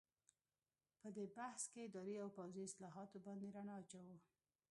په دې بحث کې اداري او پوځي اصلاحاتو باندې رڼا اچوو.